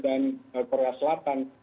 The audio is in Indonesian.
dan korea selatan